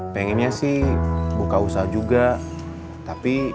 kamu mau kemana jak